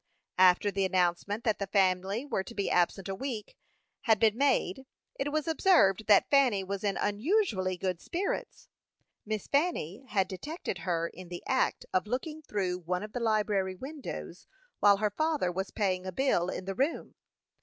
After the announcement that the family were to be absent a week, had been made, it was observed that Fanny was in unusually good spirits. Miss Fanny had detected her in the act of looking through one of the library windows, while her father was paying a bill in the room.